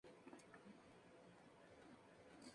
Está nombrado por Frigg, una diosa de la mitología nórdica.